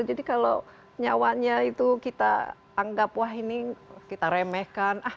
jadi kalau nyawanya itu kita anggap wah ini kita remehkan